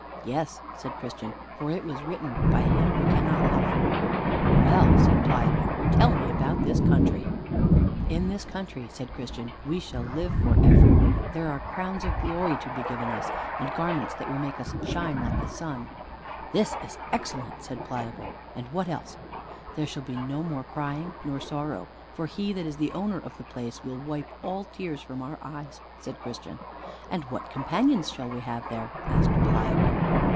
"Yes," said Christian, "for it was written by Him who cannot lie." "Well," said Pliable, "tell me about this country." "In this country," said Christian, "we shall live for ever. There are crowns of glory to be given us, and garments that will make us shine like the sun." "This is excellent," said Pliable; "and what else?" "There shall be no more crying nor sorrow, for He that is the Owner of the place will wipe all tears from our eyes," said Christian. "And what companions shall we have there?" asked Pliable.